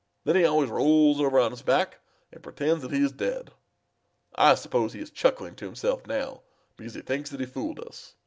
Then he always rolls over on his back and pretends that he is dead. I suppose he is chuckling to himself now because he thinks that he fooled us.